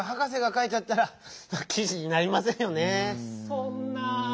そんなぁ。